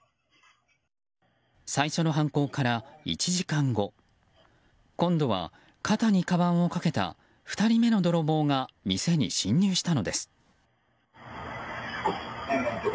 最初の犯行から１時間後今度は肩にかばんをかけた２人目の泥棒が店に侵入したのです。